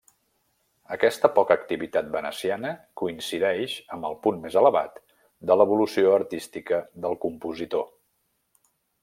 Aquesta poca activitat veneciana coincideix amb el punt més elevat de l'evolució artística del compositor.